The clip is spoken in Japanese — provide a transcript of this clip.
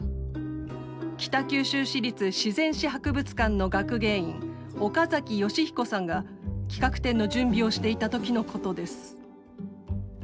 北九州市立自然史博物館の学芸員岡崎美彦さんが企画展の準備をしていた時のことです。